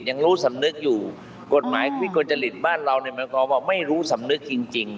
ยังรู้สำนึกอยู่กฎหมายวิกลจริตบ้านเราเนี่ยหมายความว่าไม่รู้สำนึกจริง